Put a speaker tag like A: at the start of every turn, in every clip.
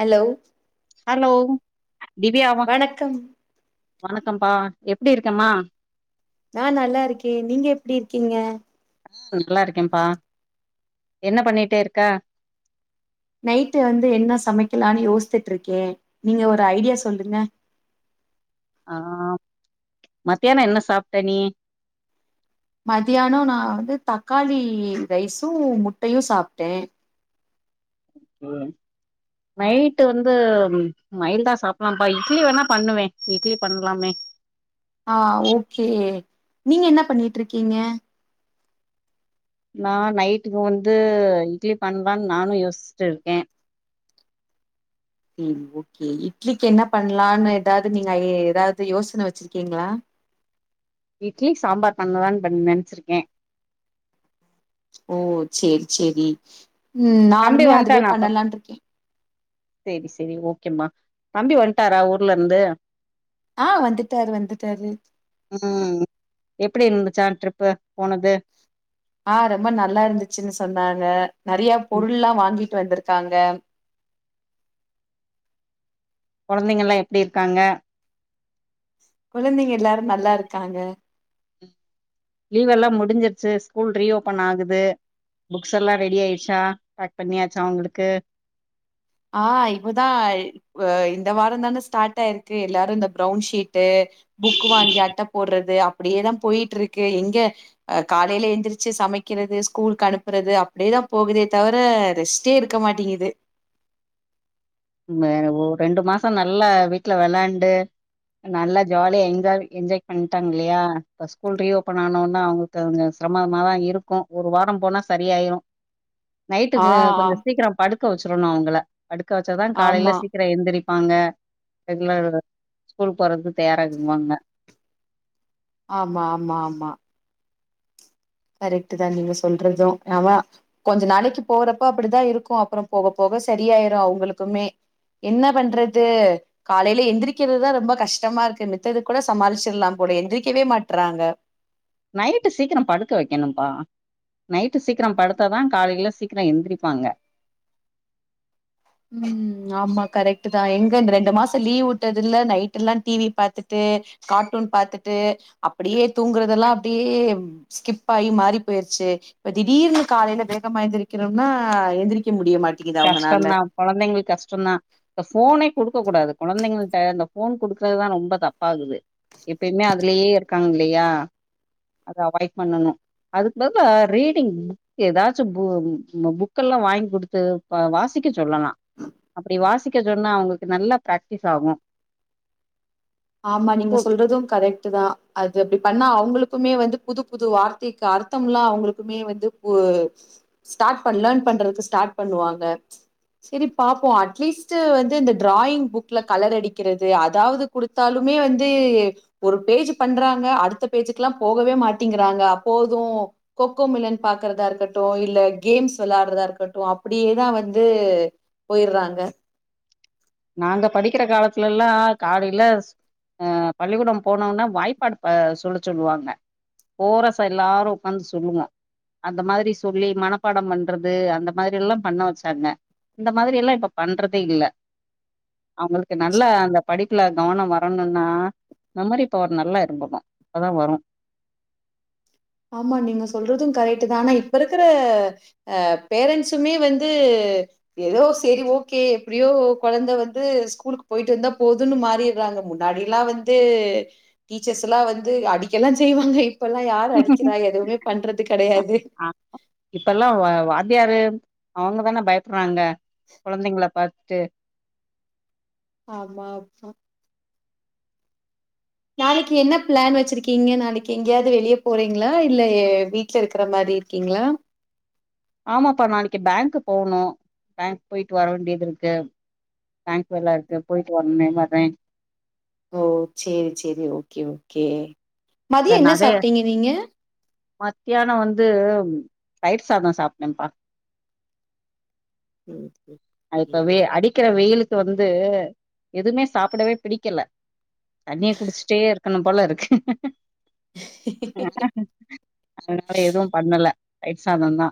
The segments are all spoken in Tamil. A: ஹலோ
B: ஹலோ
A: வணக்கம்
B: வணக்கம்பா எப்படி இருக்கம்மா
A: நா நல்லா இருக்கே நீங்க எப்டி இருக்கீங்க
B: நல்லா இருக்கேன்ப்பா என்ன பண்ணிட்டு இருக்க
A: நைட் வந்து என்ன சமைக்கலானு யோசிச்ட்டு இருக்கே நீங்க ஒரு ஐடியா சொல்லுங்க
B: ஆஹ் மத்தியானம் என்ன சாப்பிட்ட நீ
A: மதியானம் நான் வந்து தக்காளி ரைஸும் முட்டையும் சாப்பிட்டேன்
B: நைட்டு வந்து மைல்டா சாப்டலாம்ப்பா இட்லி வேணா பண்ணுவே இட்லி பண்லாமே
A: ஆஹ் ஓகே நீங்க என்ன பண்ணிட்ருக்கீங்க
B: நா நைட்டுக்கு வந்து இட்லி பண்லான்னு நானு யோசிச்சுட்ருக்கே
A: ம் ஓகே இட்லிக்கு என்ன பண்லான்னு ஏதாவது நீங்க ஐ ஏதாவது யோசன வச்சிருக்கீங்களா
B: இட்லி சாம்பார் பண்ணலானு பண் நெனைச்சிருக்கே
A: ஓ சேரி சேரி உம் நானுமே அதுவே பண்ணலான்னு இருக்கே
B: செரி செரி ஓகேம்மா தம்பி வன்ட்டாரா ஊர்ல இருந்து
A: ஆ வந்துட்டாரு வந்துட்டாரு
B: ம் எப்படி இருந்துச்சா ட்ரிப்பு போனது
A: ஆஹ் ரொம்ப நல்லா இருந்துச்சுன்னு சொன்னாங்க நெறைய பொருளல்லா வாங்கி வந்திருக்காங்க
B: கொழந்தைங்கல்லா எப்டி இருக்காங்க
A: கொழந்தைங்க எல்லாரு நல்லா இருக்காங்க
B: லீவ் எல்லா முடிஞ்சிருச்சு ஸ்கூல் ரீஓபன் ஆகுது புக்ஸ் எல்லாம் ரெடி ஆயிடுச்சா பேக் பண்ணியாச்சா அவங்களுக்கு
A: ஆஹ் இப்பதா அ இந்த வாரம்தான ஸ்டார்ட் ஆயிருக்கு எல்லாரு இந்த ப்ரௌன்ஷீட்டு புக்கு வாங்கி அட்ட போடுறது அப்படியேதா போயிட்ருக்கு எங்க அ காலைல எந்திரிச்சு சமைக்கிறது ஸ்கூலுக்கு அனுப்புறது அப்படியேதா போகுதே தவிர ரெஸ்ட்டே இருக்க மாட்டேங்குது
B: ரெண்டு மாசம் நல்லா வீட்டுல விளாண்டு நல்லா ஜாலியாஜாய என்ஜாய் பண்ணிட்டாங்க இல்லையா இப்ப ஸ்கூல் ரீஓபன் ஆனோனா அவங்களுக்குஞ்ச சிரமமாதான் இருக்கும் ஒரு வாரம் போனா சரியாயிரும் நைட்டு
A: ஆ
B: அ
A: ஆ
B: கொஞ்ச சீக்கிரோ படு க்க வச்சிரணு அவங்கள படுக்க வச்சாதா காலைல
A: ஆமா
B: சீக்கிர எந்திரிக் ப்பாங்க ரெகுலர் ஸ்கூல் போறதுக்கு தயாராகுவாங்க
A: ஆமா ஆமா ஆமா கரெக்ட்தா நீங்க சொல்றதும் ஆமா கொஞ்ச நாளைக்கு போறப்போ அப்படிதா இருக்கு அப்புறம் போகப் போக சரியாயிரு அவங்களுக்குமே என்ன பண்றது காலைல எந்திரிக்கிறதுதா ரொம்ப கஷ்டமா இருக்கு மித்தது கூட சமாளிச்சிரலாம் போல எந்திரிக்கவே மாட்றாங்க
B: நைட்டு சீக்கிரம் படுக்க வைக்கணும்ப்பா நைட்டு சீக்கிரம் படுத்தாதா காலையில சீக்கிரம் எந்திரிப்பாங்க
A: ம் ஆமா கரெக்ட்தா எங்க இந்த ரெண்டு மாச லீவ் விட்டது இல்ல நைட்டு் எல்லா டிவி பாத்துட்டு கார்ட்டூன் பாத்துட்டு அப்டியே தூங்குறதெல்லா அப்டியே ஸ்கிப் ஆகி மாறி போயிருச்சு இப்ப திடீர்னு காலைல வேகமா எந்திரக்கணும்னா எந்திரிக்க முடியமாட் ட்டிக்குதா அவங்கனால
B: கஷ்டந்தா கொழந்தைங்களுக்கு கஷ்டம்தா இந்த ஃபோனே குடுக்கக் கூடாது கொழந்தைங்கள்ட்ட அந்த ஃபோன் குடுக்கறதுதா ரொம்ப தப்பாகுது எப்பயுமே அதுலயே இருக்காங்க இல்லையா அத அவாய்ட் பண்ணணு அதுக்குள்ளதா ரீடிங் ஏதாச்சு பு பு புக்கு எல்லா வாங்கி குடுத்து அ வாசிக்கச் சொல்லலா அப்டி வாசிக் க்க சொன்னா அவங்களுக்கு நல்லா பிராக்டிஸ் ஆகு
A: ஆமா நீங்க
B: ஸ்கூல்
A: சொல்றதும் கரெக்ட்தா அது அப்டி பண்ணா அவங்களுக் க்குமே வந்து புது புது வார்த்தைக்கு அர்த்தமலா அவங்களுக்குமே வந்து ப்ப ஸ்டார்ட் பண் லேர்ன் பண்றதுக்கு ஸ்டார்ட் பண்ணுவாங்க செரி பாப்போ அட்லீஸ்ட் வந்து இந்த டிராயிங் புக்ல கலர் அடிக்கிறது அதாவது குடுத்தாலுமே வந்து ஒரு பேஜ் பண்றாங்க அடுத்த பேஜுக்கல்லா போகவே மாட்டிங்கிறாங்க போது கொக்கோ மில்லன் பாக்குறதா இருக்கட்டு இல்ல கேம்ஸ் வெளையாடுறதா இருக்கட்டு அப்படியேதா வந்து போயர்றாங்க
B: நாங்க படிக்கிற காலத்துல எல்லாம் காலையில ஆஹ் பள்ளிக்கூடம் போனோம்னா வாய்ப்பாடு சொல்ல சொல்லுவாங்க போரரச எல்லாரும் உட்காந்து சொல்லுவோம் அந்த மாதிரி சொல்லி மனப்பாடம் பண்றது அந்த மாதிரி எல்லாம் பண்ண வச்சாங்க இந்த மாதிரி எல்லாம் இப்ப பண்றதே இல்ல அவங்களுக்கு நல்லா அந்த படிப்புல கவனம் வரணுன்னா மெமரி பவர் நல்லா இருக்கணு அதா வரு
A: ஆமா நீங்க சொல்றதும் கரெக்ட்டுதா ஆனா இப்ப இருக்கிற அஹ் பேரண்ட்ஸுமே வந்து ஏதோ செரி ஓகே எப்டியோ கொழந்தை வந்து ஸ்கூலுக்கு போயிட்டு வந்தா போதுன்னு மாறிடுறாங்க முன்னாடி எல்லா வந்து டீச்சர்ஸ் எல்லா வந்து அடிக்கல்லா செய்வாங்க இப்பல்லாம் யார் அடி க்கிறா எதுவுமே பண்றது
B: அ
A: கெடையாது
B: அ அவங்கதான பயப்பட்றாங்க கொழந்தைங்கள பாத் ட்டு
A: ஆமா ஆமா நாளைக்கு என்ன பிளான் வச்சிருக்கீங்க நாளைக்கு எங்கயாவது வெளியே போறீங்களா இல்ல வீட்ல இருக்கற மாரி இருக்கீங்களா
B: ஆமாப்பா நாளைக்கு பேங்க் போகணு பேங்க் போயிட்டு வர வேண்டியது இருக்கு பேங்க் வேல இருக்கு போயிட்டு வரணுமே வரேன்
A: ஓ செரி செரி ஓகே ஓகே மதிய என்ன சாப்ட்டீங்க நீங்க
B: மத்தியானம் வந்து தயிர் சாதம் சாப்பனேன்ப்பா
A: உம்
B: அ இப்பவே அடிக்கிற வெயில் வந்து எதுவுமே சாப்படவே பிடிக்கல தண்ணிய குடிச்சுட்டே இருக்கனும் போல இருக்கு
A: ம்.
B: அதனால எதுவு பண்ணல தயிர் சாதந்தா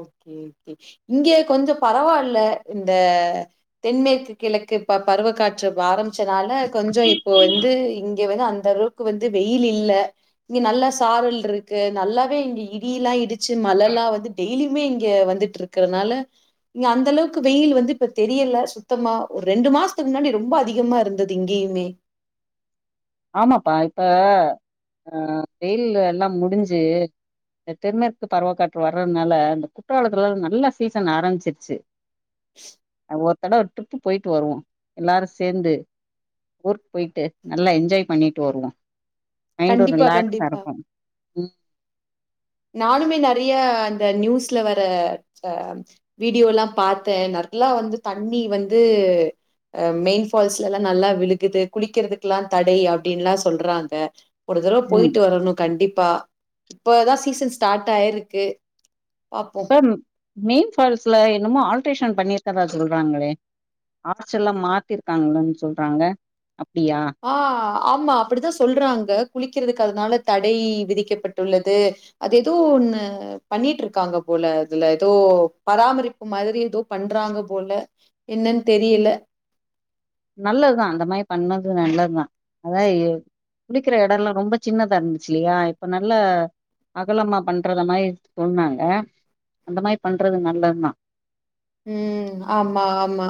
A: ஓகே ஓகே இங்க கொஞ்ச பரவால்ல இந்த தென்மேற்கு கிழக்கு இப்ப பருவக் காற்று ஆரம்பிச்சதால கொஞ்ச இப்ப வந்து இங்க வந்து அந்த அளவுக்கு வந்து வெயில் இல்ல இங்க நல்லா சாரல் இருக்கு நல்லாவே இங்க இடியெல்லா இடிச்சு மழ எல்லா வந்து டெய்லியுமே இங்க வந்துட்டு இருக்கிறதுனால இங்க அந்த அளவுக்கு வெயில் வந்து இப்ப தெரியல சுத்தமா ஒரு ரெண்டு மாசத்துக்கு முன்னாடி ரொம்ப அதிகமா இருந்தது இங்கேயுமே
B: ஆமாப்பா இப்ப ஆஹ் வெயில் எல்லா முடிஞ்சு இந்த தென்மேற்கு பருவக் காற்று வர்றதுனால இந்த குற்றாலத்துலல்லா நல்ல சீசன் ஆரம்பிச்சிருச்சு ஆ ஒரு தடவ ஒரு ட்ரிப் போயிட்டு வருவோ எல்லாரு சேந்து ஊருக்கு போயிட்டு நல்லா எஞ் ன்ஜாய் பண்ணிட்டு வருவோ மைண்ட் ஒரு
A: கண்டிப்பா,
B: ரிலாக்ஸா
A: கண்டிப்பா.
B: இருக்கும் ம்
A: நானுமே நெறைய அந்த நியூஸ்ல வர அ வீடியோ எல்லாம் பாத்தேன் நல்லா வந்து தண்ணி வந்து அ மெயின்பால்ஸ்ல எல்லாம் நல்லா விழுகுது குளிக்கிறதுக்குெ எல்லாம் தடை அப்படின்னுல்லாம் சொல்றாங்க ஒரு தடவை
B: ம்
A: போயிட்டு வரணும் கண்டிப்பா இப்போ தாஸ் சீசன் ஸ்டார்ட் ஆயிருக்கு பாப்போ
B: இப்ப மெயின் ஃபால்ஸ்ல என்னமோ ஆல்ட்ரேஷன் பண்ணிருக்கதா சொல்றாங்களே ஆச்ச எல்லாம் மாத்திருக்காங்களன்னு சொல்றாங்க அப்டியா
A: ஆ ஆமா அப்டித்தான் சொல்றாங்க குளிக்கிறதுக்கு க்கறதுனாக தடை விதிக்கப்பட்டுள்ளது அது ஏதோ ஒண்ணு பண்ணிட்டு இருக்காங்க போல அதுல ஏதோ பராமரிப்பு மாதிரி ஏதோ பண்றாங்க போல என்னன்னு தெரியல
B: நல்லதுதான் அந்த மாரி பண்ணது நல்லதுதான் அதாவ குடிக்கிற இடமல்லாம் ரொம்ப சின்னதா இருந்துச்சுல்லையா இப்ப நல்லா அகலமா பண்றத மாரி சொன்னன்னாங்க அந்த மாரி பண்றது நல்லது தான்
A: உம் ஆமா ஆமா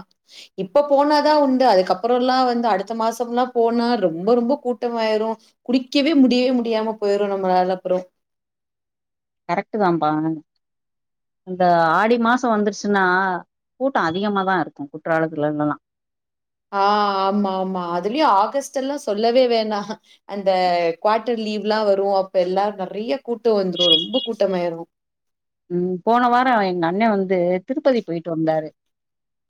A: இப்ப போனாதா உண்டு அதுக்கப்றோ எல்லா வந்து அடுத்த மாசம் எல்லா போனா ரொம்ப ரொம்ப கூட்டமாயிரு குளிக்கவே முடியவே முடியாம போயிரு நம்மளால அப்புறோ
B: கரெக்ட்டுதாம்பா இந்த ஆடி மாச வந்துருச்சுன்னா கூட்டோ அதிகமாதா இருக்கு குற்றாலத்துலல்லா
A: ஆமா ஆமா அதுலயும் ஆகஸ்ட் எல்லாம் சொல்லவே வேணாம் அந்த குவார்டர் லீவ் எல்லாம் வரும் அப்ப எல்லாரும் நெறைய கூட்டம் வந்துடும் ரொம்ப கூட்டமாயிரும்
B: ம் போன வாரம் எங்க அண்ணன் வந்து திருப்பதி போயிட்டு வந்தாரு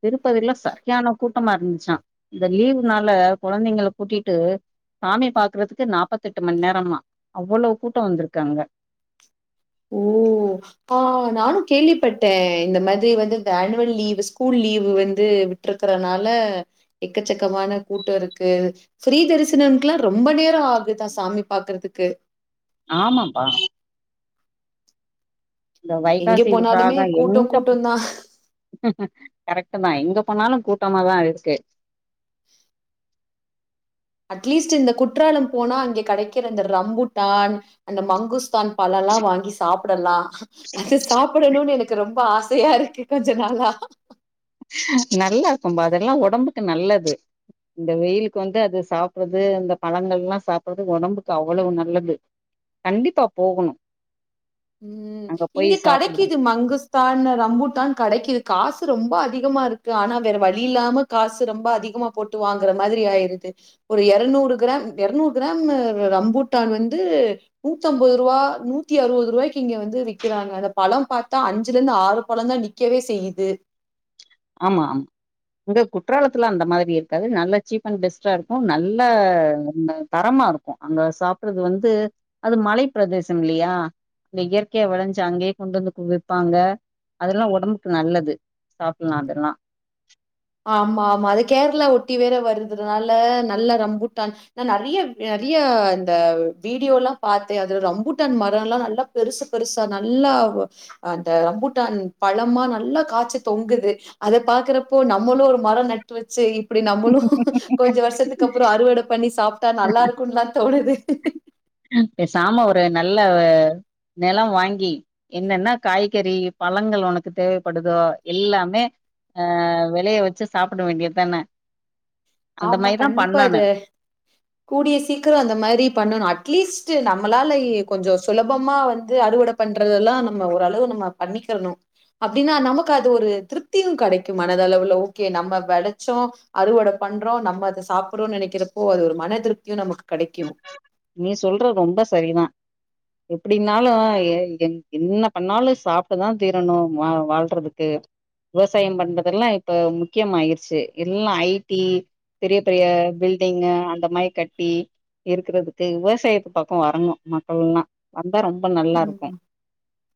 B: திருப்பதில சரியான கூட்டமா இருந்துச்சான் இந்த லீவுனால கெழந்தைங்க கூட்டிட்டு சாமி பாக்குறதுக்கு நாற்பத்த எட்டு மணி நேரமா அவ்வளவு கூட்டம் வந்திருக்காங்க
A: ஓ ஆஹ் நானும் கேள்விப்பட்டே இந்த மாதிரி வந்து இந்த ஆனுவல் லீவு ஸ்கூல் லீவு வந்து விட்டுருக்கறனால எக்கச்சக்கமான கூட்டோ இருக்கு ஃப்ரீ தரிசனம்க்கெல்லா ரொம்ப நேரோ ஆகுதா சாமி பாக்குறதுக்கு
B: ஆமாப்பா இந்த
A: எங்க
B: வைகாசி
A: போனாலுமே
B: விசாகம்
A: கூட்டம்
B: எங்க
A: கூட்டம் தான்.
B: கரெக்ட் தான் எங்க போனாலும் கூட்டமா தான் அது [inaudible]
A: அட்லீஸ்ட் இந்த குற்றாலம் போனா அங்கே கெடைக்கிற அந்த ரம்புட்டான் அந்த மங்குஸ்தான் பழெல்லாம் வாங்கி சாப்ப அப்படெல்லாம் அது சாப்பிடணும்னு எனக்கு ரொம்ப ஆசை தயா இருக்கு கொஞ்ச நாளா
B: நல்லா இருக்கும் பா அதெல்லாம் உடம்புக்கு நல்லது இந்த வெயிலுக்கு வந்து அது சாப்பிறது இந்த பழங்கள் எல்லாம் சாப்பறது உடம்புக்கு அவ்வளவு நல்லது கண்டிப்பா போகணும்
A: உம் இங்க கிடைக்குது மங்கஸ்தான் ரம்பு தான் கிடைக்குது காசு ரொம்ப அதிகமா இருக்கு ஆனா வேற வழி இல்லாம காசு ரொம்ப அதிகமா போட்டு வாங்கற மாதிரி ஆயிருது ஒரு இருநூறு கிராம் இருநூறு கிராம் ரம்பூட்டான் வந்து நூத்திம்பது ரூபாயா நூத்தி அறுபது ரூபாய இங்க வந்து விறக்கிறாங்க அந்த பழம் பார்த்தா அஞ்சுல இருந்து ஆறு பழம தான் நிக்கவே செய்யுது
B: ஆமா ஆமா இங்க குற்றாலத்துலாம் அந்த மாரி இருக்காது நல்ல சீப் அண்ட் பெஸ்ட்டா இருக்கும் நல்லா தரமா இருக்கும் அங்க சாப்படுறது வந்து அது மலை பிரதேசம் இல்லயா அந்த இயற்கையா விளைஞ்சு அங்கேயே கொண்டு வந்து வப்பாங்க அதெல்லாம் உடம்புக்கு நல்லது அதெல்லாம்
A: ஆமா ஆ அ கேரளா ஒட்டி வேற வருதுதுனால நல்லா ரம்பூட்டான் நான் நெறைய நெறைய அந்த வீடியோ எல்லாம் பாத்தேன் அதுல ரம்பூட்டான் மரம் எல்லாம் நல்லா பெருசு பெருசா நல்லா அந்த ரம்பூட்டான் பழமா நல்லா காய்ச்சு தொங்குது அத பாக்குறப்போ நம் நம்மளும் ஒரு மரம் நட்டு வச்சு அப்டி நம்பனும் கொஞ்சம் வருஷத்துக்கு அப்பறம் அறுவட பண்ணி சாப்பி நல்லா இருக்கும் தான் தோணுது
B: சாம ஒரு என்ன நல்ல நிலம் வாங்கி என்னன்னா காய்கறி பழங்கள் உனக்கு தேவைப்படுதோ எல்லாமே அஹ் விலைய வச்சு சாப்பிட வேண்டியதுதானே
A: ஆமா கண்டிப்பா அத கூடிய சீக்கிரம் அந்த மாதிரி பண்ணும் அட்லீஸ் நம்மளால கொஞ்சம் சுலபமா வந்து அறுவடை பண்றதெல்லாம் நம்ம ஓரளவு நம்ம பண்ணிக்கணும் அப்படின்னா நமக்கு அது ஒரு திருப்தியும் கிடைக்கும் மனத அளவு ஓகே நம்ம விளைச்சம் அறுவடை பண்றோம் நம்ம அதை சாப்பிறோம்னு நினைக்கிறப்போ அது ஒரு மனதிருப்தியும் நமக்கு கிடைக்கும்
B: நீ சொல்றது ரொம்ப சரிதான் எப்டின்னாலும் என்ன பண்ணாலும் சாப்பட்டுதான் தீரணும் வாழ்றதுக்கு விவசாயம் பண்றதெல்லாம் இப்ப முக்கியம் ஆயிருச்சு எல்லாம் ஐடி பெரிய பெரிய பில்டிங் அந்த மாரி கட்டி இருக்கறதுக்கு விவசாயத்து பக்கம் வரங்கும் மக்கள்லாம்
A: உ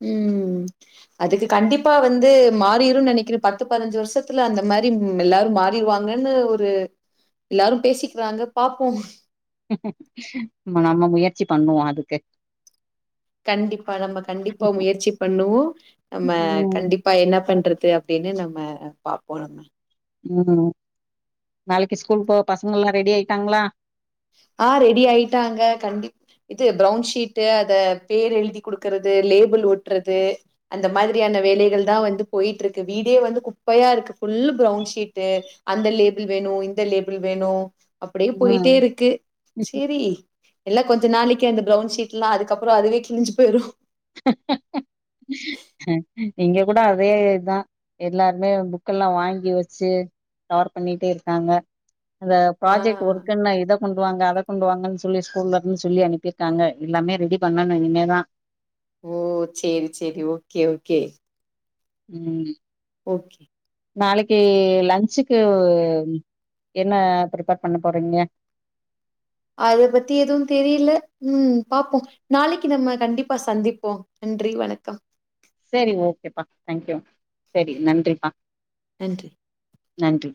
A: உம் அதுக்கு கண்டிப்பா வந்து வந்து மாறிிடும் நினைக்கிறேன் பத்து பதினஞ்சு வருஷத்துல அந்த மாதிரி எல்லாரும் மாறிடுவாங்கன்னு ஒரு எல்லாரும் பேசிக்கிறாங்க பாார்ப்போம்
B: நம்ம முயற்சி பண்ணுவோம் அதுக்கு
A: கண்டிப்பா நம்ம கண்டிப்பா முயற்சி பண்ணுவோம் நம்ம
B: ம்
A: கண்டிப்பா என்ன பண்றது அப்படின்னு நம்ம பார்ப்போம் நம்ம
B: உம் நாளைக்கு ஸ்கூல் போ பசங்க எல்லாம் ரெடி ஆயிட்டாங்களா
A: ஆ ரெடி ஆயிட்டாங்க கண்டி இது ப்ரௌன்ஷீட்டு அத பேர் எழுதி குடுக்கறது லேபிள் ஓட்டுறது அந்த மாரியான வேலகள் தான் வந்து போயிட்டு இருக்கு வீடே வந்து குப்பையா இருக்கு புஃபுல் ப்வுன்ஷீட்டு அந்த லேபிள் வேணும் இந்த லேபிள் வேணும் அப்டியே
B: ம்
A: போயிட்டே இருக்கு சேரி எல்லாம் கொஞ்ச நாளைக்கு அந்த பிரென்ஷீட்லாம் அக்கப்பறம் அதுவே கிளிஞ்சிப்போகிரும்
B: இங்க கூட அதே இதான் எல்லாருமே புக்க எல்லாம் வாங்கி வச்சு கவர் பண்ணிட்டே இருக்காங்க அந்த
A: ஆ
B: ப்ராஜெக்ட் ஒர்க்ன இத கொண் ண்டு வாங்க அத கொண்டுவாங்கன்னு சொல்லி ஸ்கூல்ல இருந்து சொல்லி அனுப்பிருக்காங்க எல்லாமே ரெடி பண்ணும் இனமே தான்
A: ஓ சரி சரி ஓகே ஓகே
B: உம்
A: ஓகே
B: நாளைக்கு லன்ச்சுக்கு என்ன ப்ரிப்பேர் பண்ண போறீங்க
A: அத பத்தி எதுவும் தெரியல உம் பார்ப்போம் நாளைக்கு நம்ம கண்டிப்பா சந்திப்போம் நன்றி வணக்கம்
B: சரி ஓகேப்பா தேங்க்யூ சரி நன்றிப்பா
A: நன்றி
B: நன்றி